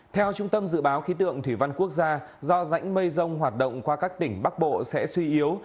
theo trung tâm dự báo khí tượng thủy văn quốc gia do rãnh mây rông hoạt động qua các tỉnh bắc bộ sẽ suy yếu